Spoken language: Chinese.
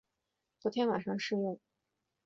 昨天晚上试用